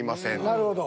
なるほど。